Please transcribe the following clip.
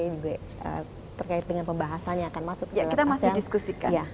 juga terkait dengan pembahasan yang akan masuk ke asean